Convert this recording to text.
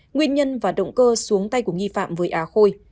nguyên nhân và động cơ xuống tay của nghi phạm với á khôi